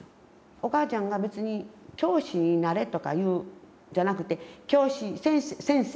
お母ちゃんが別に教師になれとかいうんじゃなくて教師先生。